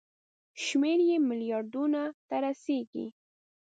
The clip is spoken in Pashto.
شمېر یې ملیاردونو ته رسیږي.